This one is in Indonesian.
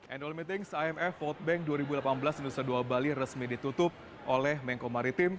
annual meetings imf world bank dua ribu delapan belas nusa dua bali resmi ditutup oleh menko maritim